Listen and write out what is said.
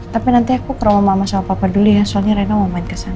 tapi nanti aku kalau mau mama sama papa dulu ya soalnya reno mau main ke sana